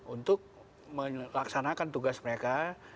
untuk melaksanakan tugas mereka